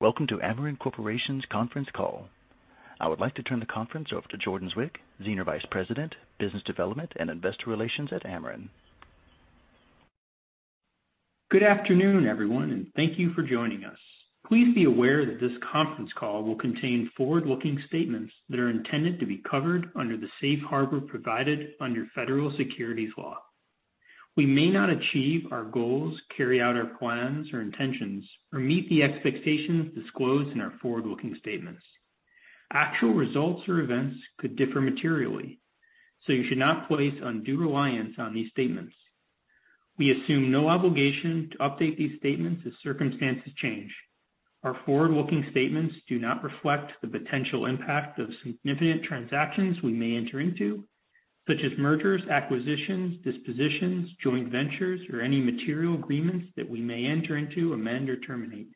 Welcome to Amarin Corporation's conference call. I would like to turn the conference over to Jordan Zwick, Senior Vice President, Business Development and Investor Relations at Amarin. Good afternoon, everyone, and thank you for joining us. Please be aware that this conference call will contain forward-looking statements that are intended to be covered under the safe harbor provided under federal securities law. We may not achieve our goals, carry out our plans or intentions, or meet the expectations disclosed in our forward-looking statements. Actual results or events could differ materially. You should not place undue reliance on these statements. We assume no obligation to update these statements as circumstances change. Our forward-looking statements do not reflect the potential impact of significant transactions we may enter into, such as mergers, acquisitions, dispositions, joint ventures, or any material agreements that we may enter into, amend, or terminate.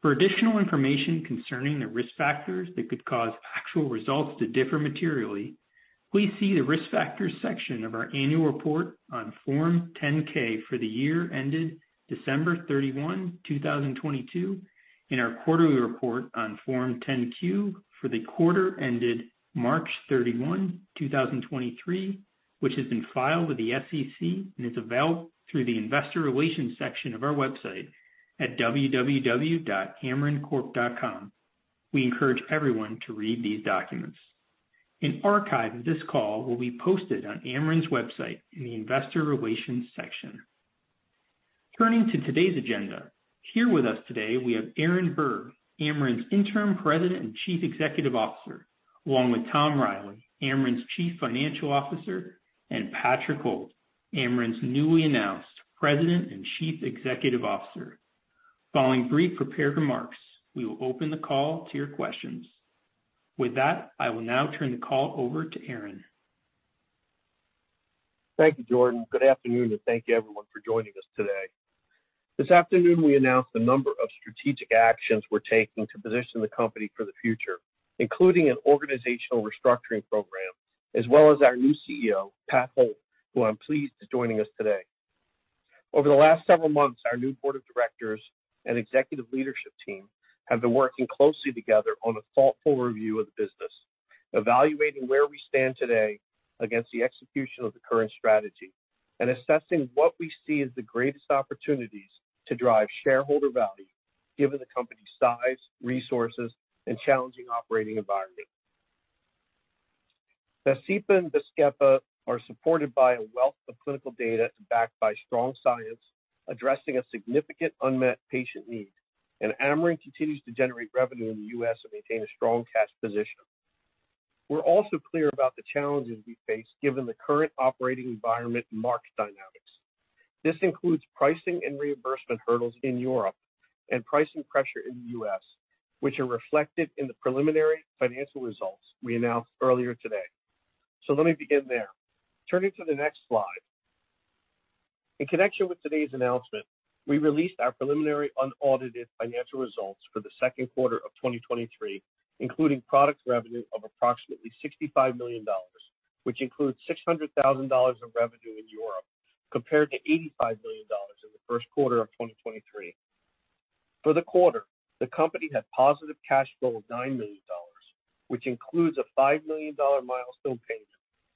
For additional information concerning the risk factors that could cause actual results to differ materially, please see the Risk Factors section of our annual report on Form 10-K for the year ended December 31, 2022, and our quarterly report on Form 10-Q for the quarter ended March 31, 2023, which has been filed with the SEC and is available through the Investor Relations section of our website at www.amarincorp.com. We encourage everyone to read these documents. An archive of this call will be posted on Amarin's website in the Investor Relations section. Turning to today's agenda, here with us today, we have Aaron Berg, Amarin's Interim President and Chief Executive Officer, along with Tom Reilly, Amarin's Chief Financial Officer, and Patrick Holt, Amarin's newly announced President and Chief Executive Officer. Following brief prepared remarks, we will open the call to your questions. With that, I will now turn the call over to Aaron. Thank you, Jordan. Good afternoon. Thank you, everyone, for joining us today. This afternoon, we announced a number of strategic actions we're taking to position the company for the future, including an organizational restructuring program, as well as our new CEO, Pat Holt, who I'm pleased is joining us today. Over the last several months, our new board of directors and executive leadership team have been working closely together on a thoughtful review of the business, evaluating where we stand today against the execution of the current strategy and assessing what we see as the greatest opportunities to drive shareholder value, given the company's size, resources, and challenging operating environment. Vascepa and Vazkepa are supported by a wealth of clinical data and backed by strong science, addressing a significant unmet patient need. Amarin continues to generate revenue in the U.S. and maintain a strong cash position. We're also clear about the challenges we face given the current operating environment and market dynamics. This includes pricing and reimbursement hurdles in Europe and pricing pressure in the U.S., which are reflected in the preliminary financial results we announced earlier today. Let me begin there. Turning to the next slide. In connection with today's announcement, we released our preliminary unaudited financial results for the Q2 of 2023, including product revenue of approximately $65 million, which includes $600,000 of revenue in Europe, compared to $85 million in the Q1 of 2023. For the quarter, the company had positive cash flow of $9 million, which includes a $5 million milestone payment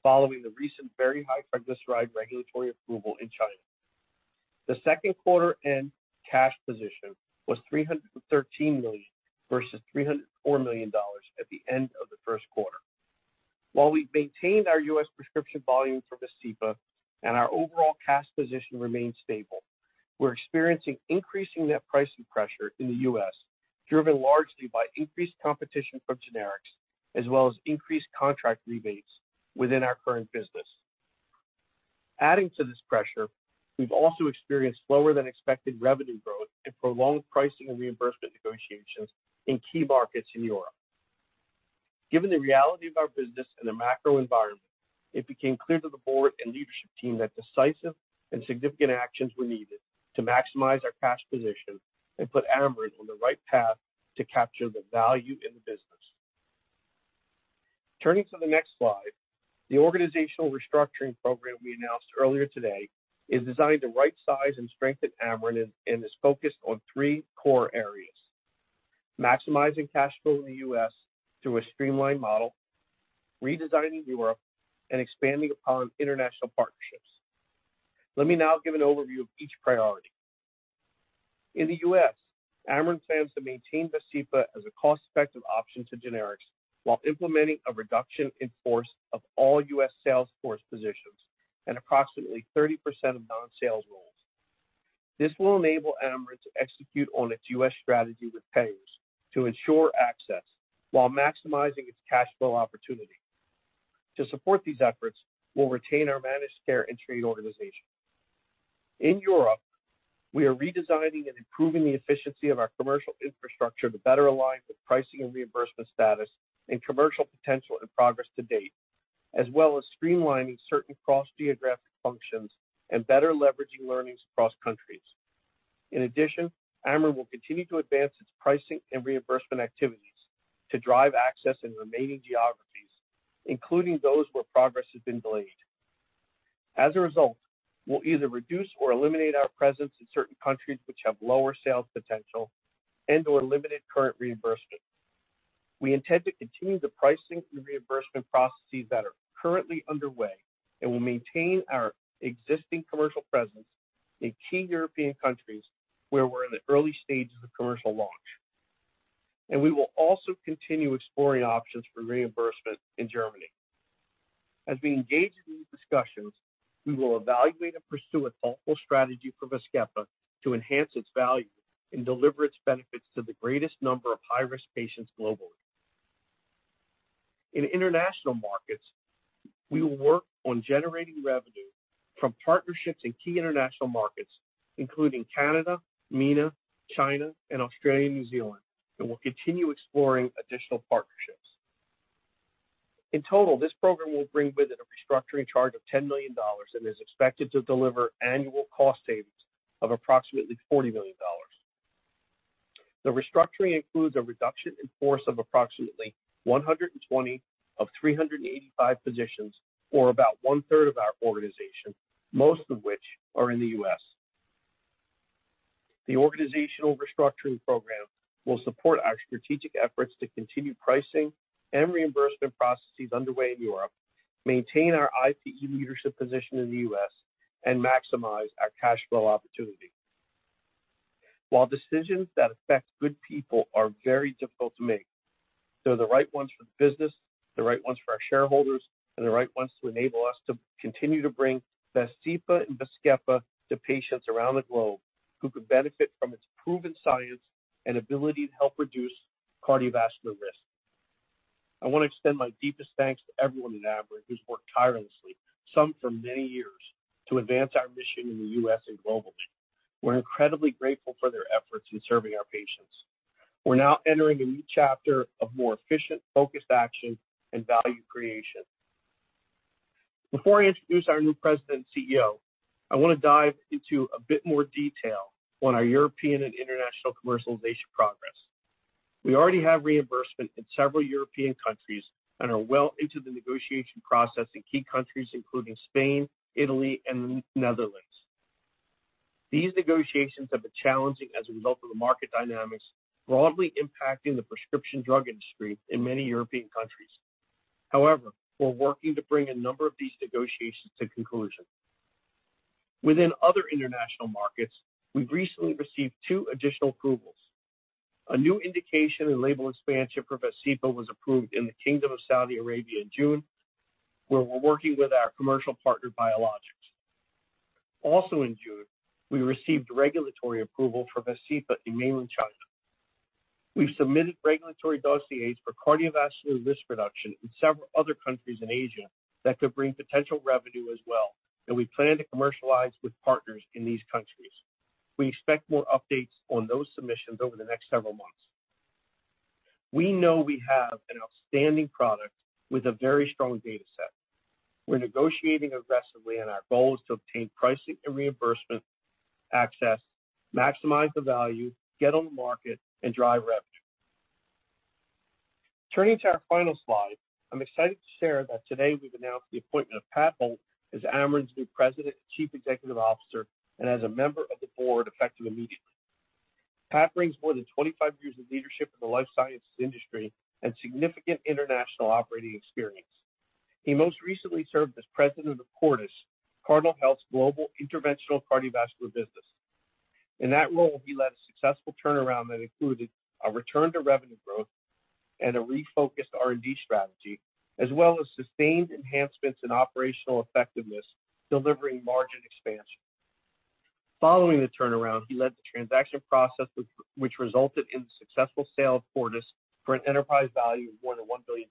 following the recent very high triglyceride regulatory approval in China. The Q2 end cash position was $313 million versus $304 million at the end of the Q1. While we've maintained our U.S. prescription volume for Vascepa and our overall cash position remains stable, we're experiencing increasing net pricing pressure in the U.S., driven largely by increased competition from generics as well as increased contract rebates within our current business. Adding to this pressure, we've also experienced slower-than-expected revenue growth and prolonged pricing and reimbursement negotiations in key markets in Europe. Given the reality of our business and the macro environment, it became clear to the board and leadership team that decisive and significant actions were needed to maximize our cash position and put Amarin on the right path to capture the value in the business. Turning to the next slide, the organizational restructuring program we announced earlier today is designed to rightsize and strengthen Amarin and is focused on three core areas: maximizing cash flow in the U.S. through a streamlined model, redesigning Europe, and expanding upon international partnerships. Let me now give an overview of each priority. In the U.S., Amarin plans to maintain Vascepa as a cost-effective option to generics while implementing a reduction in force of all U.S. salesforce positions and approximately 30% of non-sales roles. This will enable Amarin to execute on its U.S. strategy with payers to ensure access while maximizing its cash flow opportunity. To support these efforts, we'll retain our managed care and trade organization. In Europe, we are redesigning and improving the efficiency of our commercial infrastructure to better align with pricing and reimbursement status and commercial potential and progress to date, as well as streamlining certain cross-geographic functions and better leveraging learnings across countries. In addition, Amarin will continue to advance its pricing and reimbursement activities to drive access in remaining geographies, including those where progress has been delayed. As a result, we'll either reduce or eliminate our presence in certain countries which have lower sales potential and or limited current reimbursement. We intend to continue the pricing and reimbursement processes that are currently underway, and we'll maintain our existing commercial presence in key European countries where we're in the early stages of commercial launch. We will also continue exploring options for reimbursement in Germany. As we engage in these discussions, we will evaluate and pursue a thoughtful strategy for Vascepa to enhance its value and deliver its benefits to the greatest number of high-risk patients globally. In international markets, we will work on generating revenue from partnerships in key international markets, including Canada, MENA, China, and Australia, and New Zealand, and we'll continue exploring additional partnerships. In total, this program will bring with it a restructuring charge of $10 million and is expected to deliver annual cost savings of approximately $40 million. The restructuring includes a reduction in force of approximately 120 of 385 positions, or about one-third of our organization, most of which are in the U.S. The organizational restructuring program will support our strategic efforts to continue pricing and reimbursement processes underway in Europe, maintain our IP leadership position in the US, and maximize our cash flow opportunity. While decisions that affect good people are very difficult to make, they're the right ones for the business, the right ones for our shareholders, and the right ones to enable us to continue to bring Vascepa and Vazkepa to patients around the globe who could benefit from its proven science and ability to help reduce cardiovascular risk. I want to extend my deepest thanks to everyone in Amarin who's worked tirelessly, some for many years, to advance our mission in the US and globally. We're incredibly grateful for their efforts in serving our patients. We're now entering a new chapter of more efficient, focused action and value creation. Before I introduce our new president and CEO, I want to dive into a bit more detail on our European and international commercialization progress. We already have reimbursement in several European countries and are well into the negotiation process in key countries, including Spain, Italy, and the Netherlands. These negotiations have been challenging as a result of the market dynamics broadly impacting the prescription drug industry in many European countries. However, we're working to bring a number of these negotiations to conclusion. Within other international markets, we've recently received two additional approvals. A new indication and label expansion for Vascepa was approved in the Kingdom of Saudi Arabia in June, where we're working with our commercial partner, Biologics. Also in June, we received regulatory approval for Vascepa in mainland China. We've submitted regulatory dossiers for cardiovascular risk reduction in several other countries in Asia that could bring potential revenue as well, and we plan to commercialize with partners in these countries. We expect more updates on those submissions over the next several months. We know we have an outstanding product with a very strong data set. We're negotiating aggressively, and our goal is to obtain pricing and reimbursement access, maximize the value, get on the market, and drive revenue. Turning to our final slide, I'm excited to share that today we've announced the appointment of Pat Holt as Amarin's new President and Chief Executive Officer and as a member of the board, effective immediately. Pat brings more than 25 years of leadership in the life sciences industry and significant international operating experience. He most recently served as President of Cordis, Cardinal Health's global interventional cardiovascular business. In that role, he led a successful turnaround that included a return to revenue growth and a refocused R&D strategy, as well as sustained enhancements in operational effectiveness, delivering margin expansion. Following the turnaround, he led the transaction process, which resulted in the successful sale of Cordis for an enterprise value of more than $1 billion.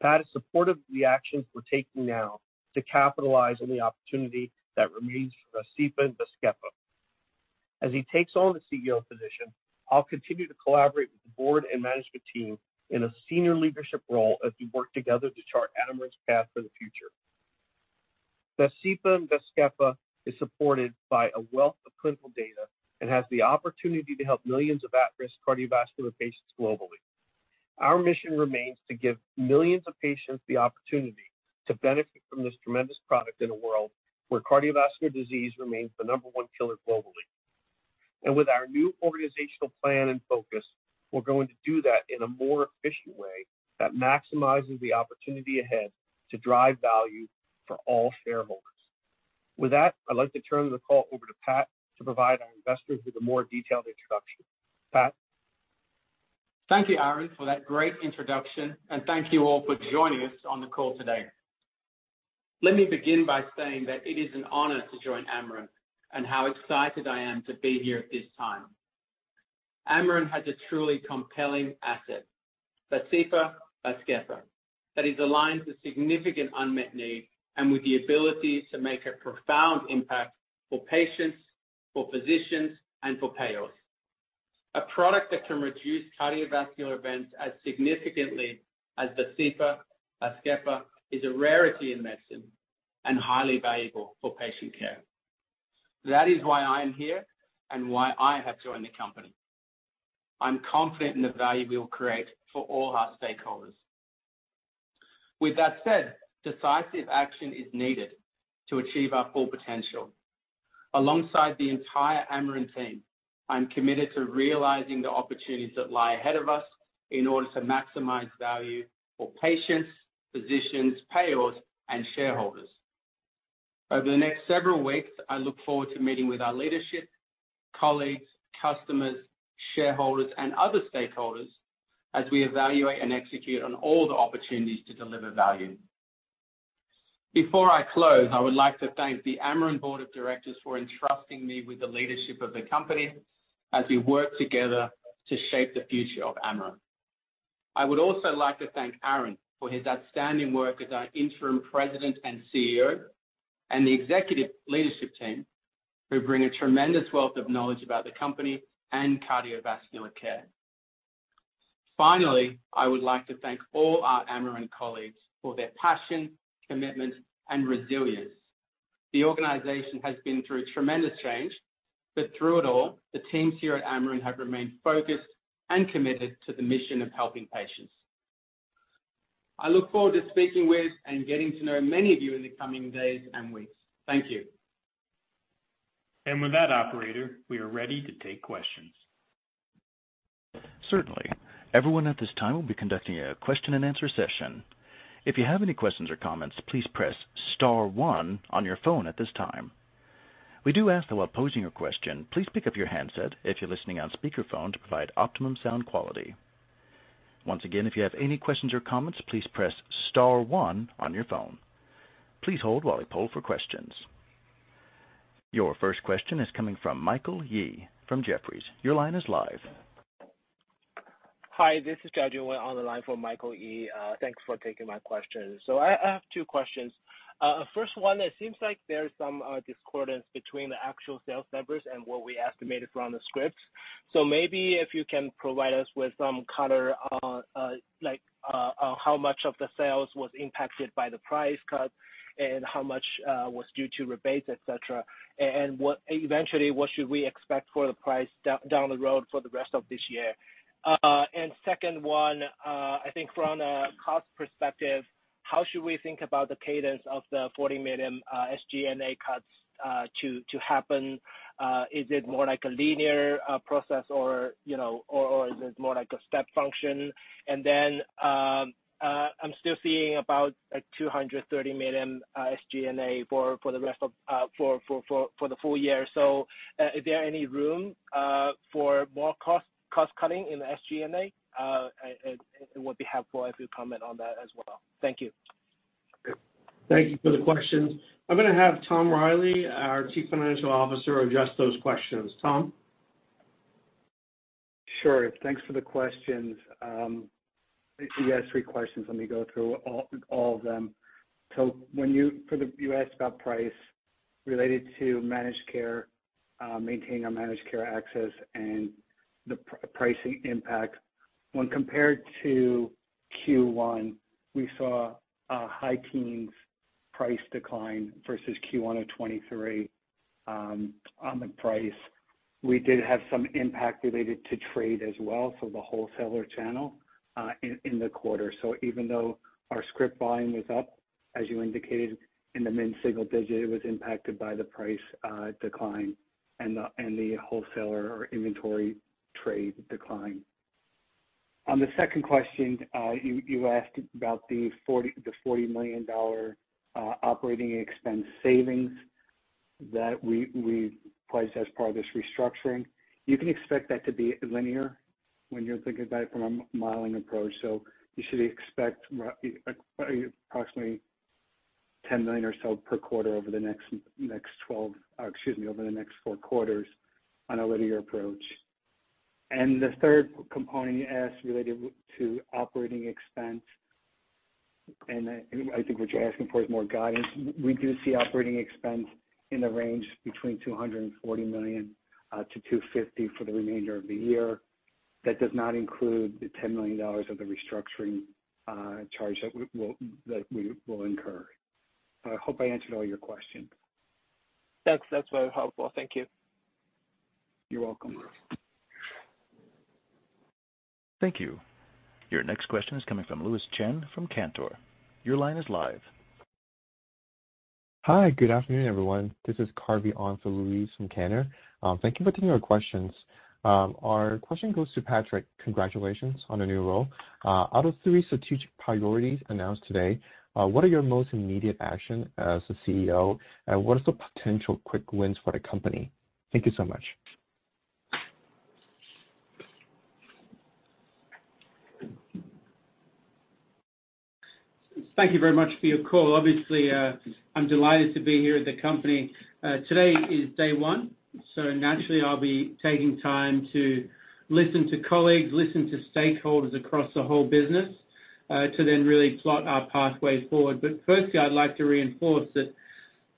Pat is supportive of the actions we're taking now to capitalize on the opportunity that remains for Vascepa and Vazkepa. As he takes on the CEO position, I'll continue to collaborate with the board and management team in a senior leadership role as we work together to chart Amarin's path for the future. Vascepa and Vazkepa is supported by a wealth of clinical data and has the opportunity to help millions of at-risk cardiovascular patients globally. Our mission remains to give millions of patients the opportunity to benefit from this tremendous product in a world where cardiovascular disease remains the number one killer globally. With our new organizational plan and focus, we're going to do that in a more efficient way that maximizes the opportunity ahead to drive value for all shareholders. With that, I'd like to turn the call over to Pat to provide our investors with a more detailed introduction. Pat? Thank you, Aaron, for that great introduction, and thank you all for joining us on the call today. Let me begin by saying that it is an honor to join Amarin and how excited I am to be here at this time. Amarin has a truly compelling asset, Vascepa, that is aligned with significant unmet need and with the ability to make a profound impact for patients, for physicians, and for payers. A product that can reduce cardiovascular events as significantly as Vascepa is a rarity in medicine and highly valuable for patient care. That is why I am here and why I have joined the company. I'm confident in the value we will create for all our stakeholders. With that said, decisive action is needed to achieve our full potential. Alongside the entire Amarin team, I'm committed to realizing the opportunities that lie ahead of us in order to maximize value for patients, physicians, payers, and shareholders. Over the next several weeks, I look forward to meeting with our leadership, colleagues, customers, shareholders, and other stakeholders as we evaluate and execute on all the opportunities to deliver value. Before I close, I would like to thank the Amarin Board of Directors for entrusting me with the leadership of the company as we work together to shape the future of Amarin. I would also like to thank Aaron for his outstanding work as our Interim President and CEO, and the executive leadership team, who bring a tremendous wealth of knowledge about the company and cardiovascular care. Finally, I would like to thank all our Amarin colleagues for their passion, commitment, and resilience. The organization has been through tremendous change, but through it all, the teams here at Amarin have remained focused and committed to the mission of helping patients. I look forward to speaking with and getting to know many of you in the coming days and weeks. Thank you. With that, operator, we are ready to take questions. Certainly. Everyone at this time will be conducting a question-and-answer session. If you have any questions or comments, please press star 1 on your phone at this time. We do ask that while posing your question, please pick up your handset if you're listening on speakerphone, to provide optimum sound quality. Once again, if you have any questions or comments, please press star 1 on your phone. Please hold while we poll for questions. Your first question is coming from Michael Yee from Jefferies. Your line is live. Hi, this is Jiajun on the line for Michael Yee. Thanks for taking my questions. I have two questions. First one, it seems like there's some discordance between the actual sales numbers and what we estimated from the scripts. Maybe if you can provide us with some color on, like, on how much of the sales was impacted by the price cut, and how much was due to rebates, et cetera. Eventually, what should we expect for the price down the road for the rest of this year? Second one, I think from a cost perspective, how should we think about the cadence of the $40 million SG&A cuts to happen? Is it more like a linear process or, you know, or is it more like a step function? I'm still seeing about, like, $230 million SG&A for the rest of the full year. Is there any room for more cost-cutting in the SG&A? It would be helpful if you comment on that as well. Thank you. Thank you for the questions. I'm gonna have Tom Reilly, our Chief Financial Officer, address those questions. Tom? Sure. Thanks for the questions. You asked 3 questions. Let me go through all of them. When you asked about price related to managed care, maintaining our managed care access and the pricing impact. When compared to Q1, we saw a high teens price decline versus Q1 of 2023 on the price. We did have some impact related to trade as well, the wholesaler channel in the quarter. Even though our script volume was up, as you indicated, in the mid single digit, it was impacted by the price decline and the wholesaler or inventory trade decline. On the second question, you asked about the $40 million operating expense savings that we priced as part of this restructuring. You can expect that to be linear when you're thinking about it from a modeling approach. You should expect approximately $10 million or so per quarter over the next 12... excuse me, over the next four quarters on a linear approach. The third component you asked, related to operating expense, and I think what you're asking for is more guidance. We do see operating expense in the range between $240 million to $250 million for the remainder of the year. That does not include the $10 million of the restructuring charge that we will incur. I hope I answered all your questions. Thanks. That's very helpful. Thank you. You're welcome. Thank you. Your next question is coming from Louise Chen from Cantor. Your line is live. Hi, good afternoon, everyone. This is Carvey on for Louise from Cantor. Thank you for taking our questions. Our question goes to Patrick. Congratulations on the new role. Out of three strategic priorities announced today, what are your most immediate action as the CEO, and what is the potential quick wins for the company? Thank you so much. Thank you very much for your call. Obviously, I'm delighted to be here at the company. Today is day one, so naturally I'll be taking time to listen to colleagues, listen to stakeholders across the whole business, to then really plot our pathways forward. Firstly, I'd like to reinforce that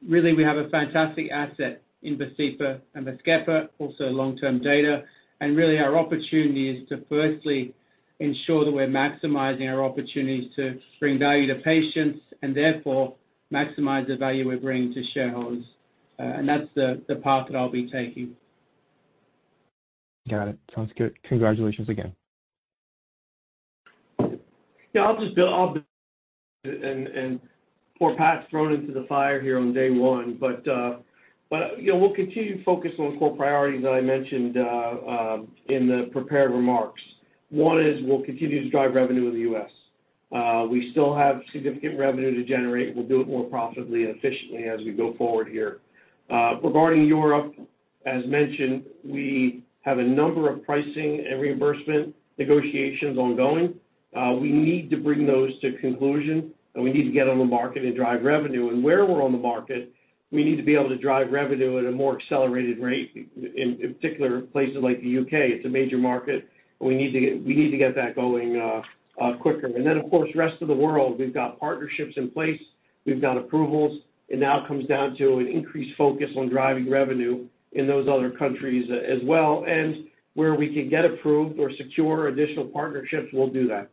really we have a fantastic asset in Vascepa and Vazkepa, also long-term data. Really our opportunity is to firstly ensure that we're maximizing our opportunities to bring value to patients and therefore maximize the value we're bringing to shareholders and that's the path that I'll be taking. Got it. Sounds good. Congratulations again. I'll just build off and poor Pat's thrown into the fire here on day one. You know, we'll continue to focus on core priorities that I mentioned in the prepared remarks. One is we'll continue to drive revenue in the U.S. We still have significant revenue to generate. We'll do it more profitably and efficiently as we go forward here. Regarding Europe, as mentioned, we have a number of pricing and reimbursement negotiations ongoing. We need to bring those to conclusion, and we need to get on the market and drive revenue. Where we're on the market, we need to be able to drive revenue at a more accelerated rate, in particular, places like the U.K. It's a major market, and we need to get that going quicker. Of course, rest of the world, we've got partnerships in place, we've got approvals, it now comes down to an increased focus on driving revenue in those other countries as well, and where we can get approved or secure additional partnerships, we'll do that.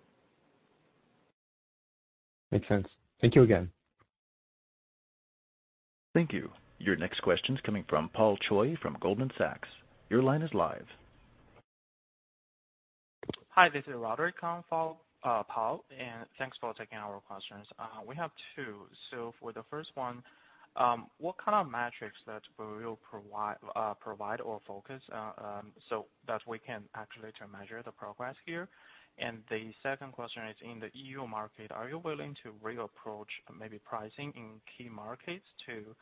Makes sense. Thank you again. Thank you. Your next question is coming from Paul Choi from Goldman Sachs. Your line is live. Hi, this is Roderick Kong for Paul, and thanks for taking our questions. We have two. For the first one, what kind of metrics that we will provide or focus so that we can actually to measure the progress here? The second question is, in the EU market, are you willing to reapproach maybe pricing in key markets to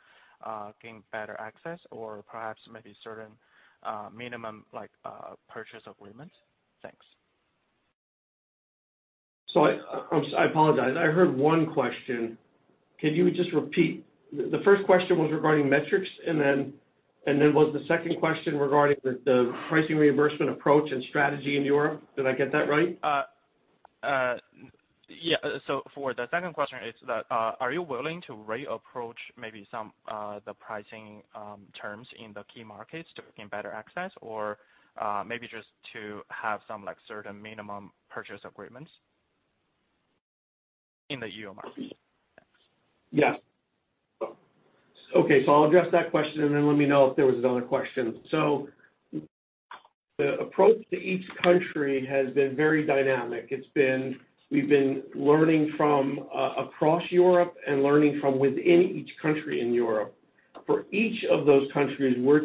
gain better access or perhaps maybe certain minimum, like, purchase agreements? Thanks. I'm sorry. I apologize. I heard one question. Can you just repeat? The first question was regarding metrics, and then was the second question regarding the pricing reimbursement approach and strategy in Europe? Did I get that right? Yeah. For the second question, it's that, are you willing to reapproach maybe some the pricing, terms in the key markets to gain better access or maybe just to have some certain minimum purchase agreements in the EU market? Yes. Okay, I'll address that question. Let me know if there was another question. The approach to each country has been very dynamic. We've been learning from across Europe and learning from within each country in Europe. For each of those countries, we're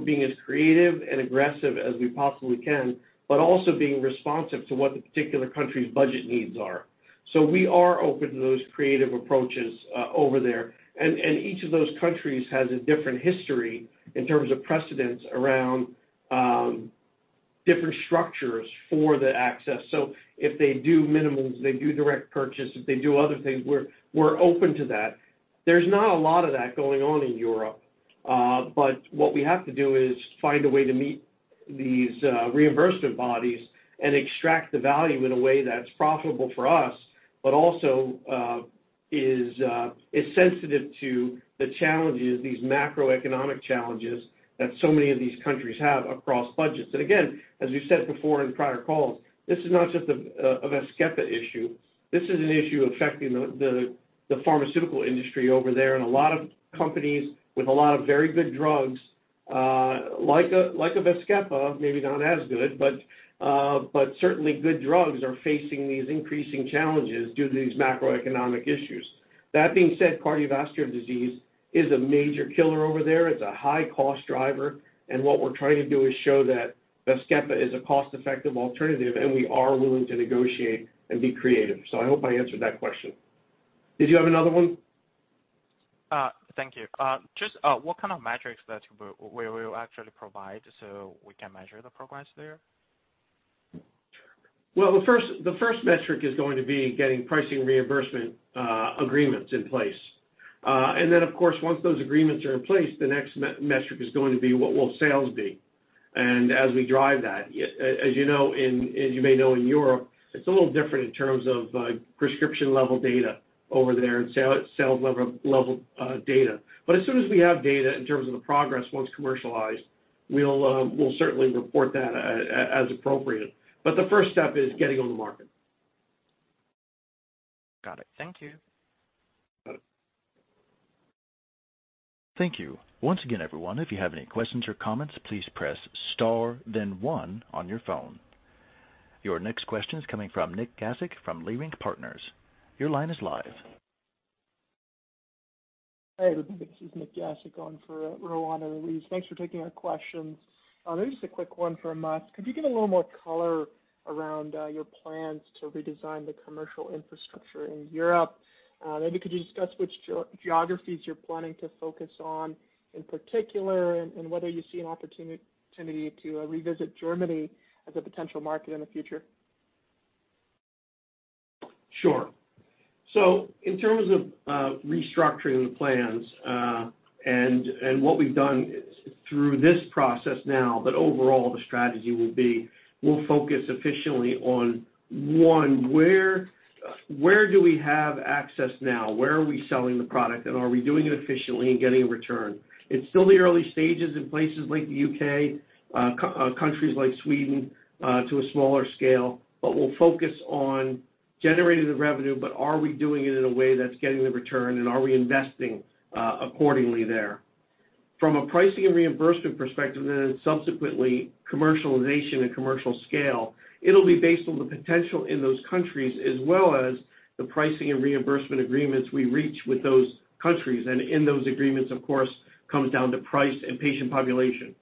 being as creative and aggressive as we possibly can, but also being responsive to what the particular country's budget needs are. We are open to those creative approaches over there. Each of those countries has a different history in terms of precedents around different structures for the access. If they do minimums, they do direct purchase, if they do other things, we're open to that. There's not a lot of that going on in Europe, but what we have to do is find a way to meet these reimbursement bodies and extract the value in a way that's profitable for us, but also is sensitive to the challenges, these macroeconomic challenges, that so many of these countries have across budgets. Again, as we've said before in prior calls, this is not just a Vazkepa issue. This is an issue affecting the pharmaceutical industry over there. A lot of companies with a lot of very good drugs, like a Vazkepa, maybe not as good, but certainly good drugs are facing these increasing challenges due to these macroeconomic issues. That being said, cardiovascular disease is a major killer over there. It's a high-cost driver. What we're trying to do is show that Vascepa is a cost-effective alternative. We are willing to negotiate and be creative. I hope I answered that question. Did you have another one? Thank you. Just, what kind of metrics that we will actually provide so we can measure the progress there? The first metric is going to be getting pricing reimbursement agreements in place. Of course, once those agreements are in place, the next metric is going to be what will sales be, and as we drive that. As you know, as you may know, in Europe, it's a little different in terms of prescription-level data over there and sales level data. As soon as we have data in terms of the progress, once commercialized, we'll certainly report that as appropriate. The first step is getting on the market. Got it. Thank you. You got it. Thank you. Once again, everyone, if you have any questions or comments, please press Star, then one on your phone. Your next question is coming from Nik Gasic from Leerink Partners. Your line is live. Hi, everybody. This is Nik Gasic on for Roanna Ruiz. Thanks for taking our questions. Maybe just a quick one from us. Could you give a little more color around your plans to redesign the commercial infrastructure in Europe? Maybe could you discuss which geographies you're planning to focus on, in particular, and whether you see an opportunity to revisit Germany as a potential market in the future? Sure. In terms of restructuring the plans, and what we've done through this process now, overall the strategy will be, we'll focus efficiently on, 1, where do we have access now? Where are we selling the product, and are we doing it efficiently and getting a return? It's still the early stages in places like the U.K., countries like Sweden, to a smaller scale, but we'll focus on generating the revenue, but are we doing it in a way that's getting the return, and are we investing accordingly there? From a pricing and reimbursement perspective, and then subsequently commercialization and commercial scale, it'll be based on the potential in those countries, as well as the pricing and reimbursement agreements we reach with those countries. In those agreements, of course, comes down to price and patient population.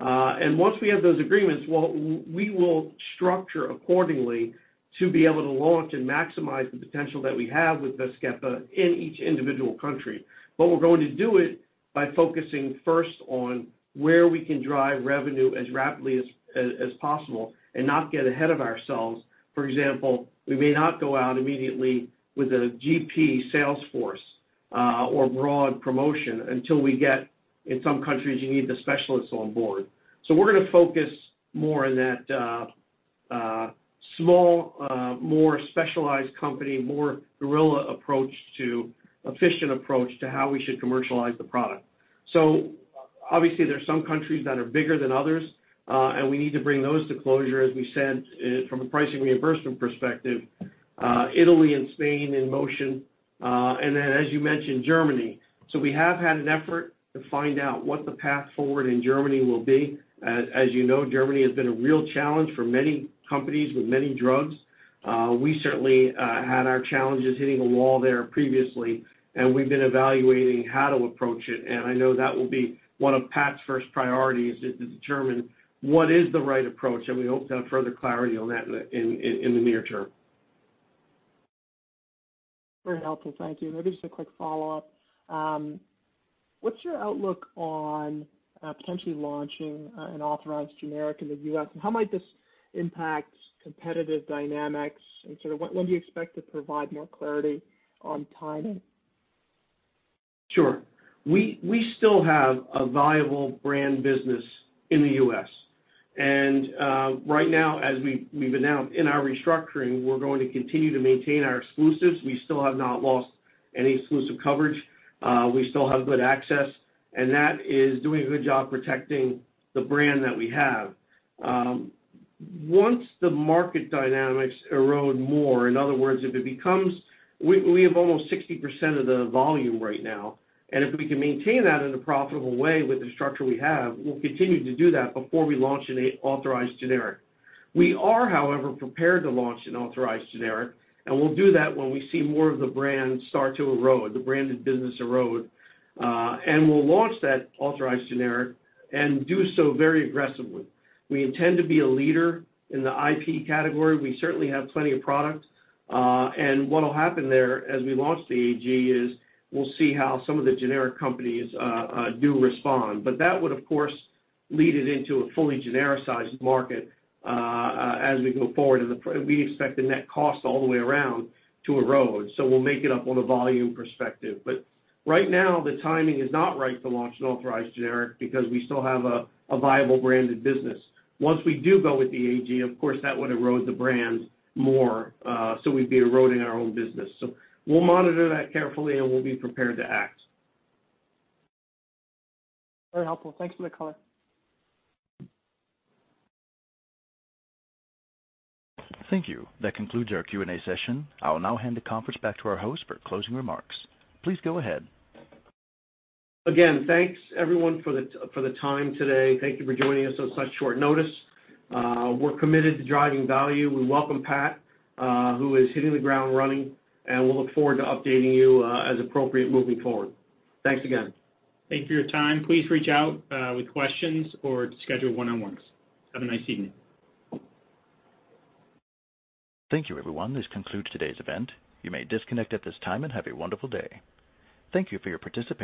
Once we have those agreements, well, we will structure accordingly to be able to launch and maximize the potential that we have with Vazkepa in each individual country. We're going to do it by focusing first on where we can drive revenue as rapidly as possible and not get ahead of ourselves. For example, we may not go out immediately with a GP sales force or broad promotion until we get in some countries, you need the specialists on board. We're gonna focus more on that small, more specialized company, more guerrilla approach to, efficient approach to how we should commercialize the product. Obviously, there are some countries that are bigger than others, and we need to bring those to closure, as we said, from a pricing reimbursement perspective. Italy and Spain in motion, and then, as you mentioned, Germany. We have had an effort to find out what the path forward in Germany will be. As you know, Germany has been a real challenge for many companies with many drugs. We certainly had our challenges hitting a wall there previously, and we've been evaluating how to approach it, and I know that will be one of Pat's first priorities, is to determine what is the right approach, and we hope to have further clarity on that in the near term. Very helpful. Thank you. Maybe just a quick follow-up. What's your outlook on potentially launching an authorized generic in the U.S., and how might this impact competitive dynamics, and sort of when do you expect to provide more clarity on timing? Sure. We still have a viable brand business in the U.S. Right now, as we've announced in our restructuring, we're going to continue to maintain our exclusives. We still have not lost any exclusive coverage. We still have good access, and that is doing a good job protecting the brand that we have. Once the market dynamics erode more, in other words, if it becomes. We have almost 60% of the volume right now, and if we can maintain that in a profitable way with the structure we have, we'll continue to do that before we launch an authorized generic. We are, however, prepared to launch an authorized generic, and we'll do that when we see more of the brand start to erode, the branded business erode. We'll launch that authorized generic and do so very aggressively. We intend to be a leader in the IP category. We certainly have plenty of product. What'll happen there as we launch the AG is we'll see how some of the generic companies do respond. That would, of course, lead it into a fully genericized market as we go forward, and we expect the net cost all the way around to erode. We'll make it up on a volume perspective. Right now, the timing is not right to launch an authorized generic because we still have a viable branded business. Once we do go with the AG, of course, that would erode the brands more, so we'd be eroding our own business. We'll monitor that carefully, and we'll be prepared to act. Very helpful. Thanks for the color. Thank you. That concludes our Q&A session. I'll now hand the conference back to our host for closing remarks. Please go ahead. Again, thanks, everyone, for the time today. Thank you for joining us on such short notice. We're committed to driving value. We welcome Pat, who is hitting the ground running, and we'll look forward to updating you as appropriate moving forward. Thanks again. Thank you for your time. Please reach out with questions or to schedule one-on-ones. Have a nice evening. Thank you, everyone. This concludes today's event. You may disconnect at this time and have a wonderful day. Thank you for your participation.